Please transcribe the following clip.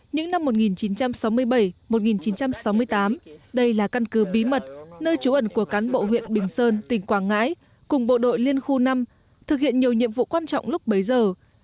những năm một nghìn chín trăm sáu mươi bảy một nghìn chín trăm sáu mươi tám đây là căn cứ bí mật nơi trú ẩn của cán bộ huyện bình sơn tỉnh quảng ngãi cùng bộ đội liên khu năm thực hiện nhiều nhiệm vụ quan trọng lúc bấy giờ